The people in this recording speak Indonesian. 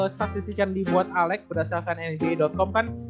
statistik yang dibuat alec berdasarkan nba com kan